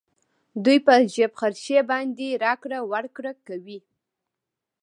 دوی په جېب خرچې باندې راکړه ورکړه کوي